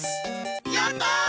やった！